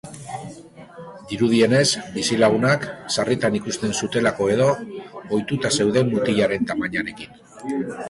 Dirudienez, bizilagunak, sarritan ikusten zutelako edo, ohituta zeuden mutilaren tamainarekin.